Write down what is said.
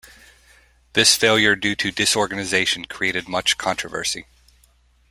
This failure due to disorganization created much controversy.